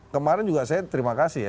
kemarin juga saya terima kasih ya